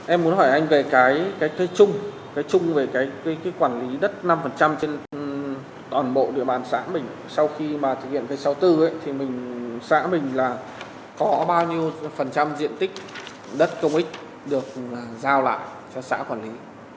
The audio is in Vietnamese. em muốn hỏi anh về cái chung cái chung về cái quản lý đất năm trên toàn bộ địa bàn xã mình sau khi mà thực hiện cây sáu mươi bốn ấy thì mình xã mình là có bao nhiêu phần trăm diện tích đất công ích được giao lại cho xã quản lý